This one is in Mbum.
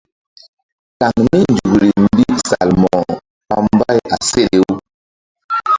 Kaŋ mí nzukri mbi Salmo̧ko ɓa mbay a seɗe-u.